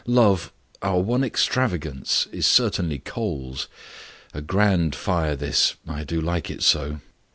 Love, our one extravagance is certainly coals. A grand fire this! I do like it so!"